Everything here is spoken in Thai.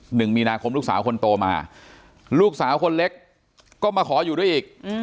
หนึ่งมีนาคมลูกสาวคนโตมาลูกสาวคนเล็กก็มาขออยู่ด้วยอีก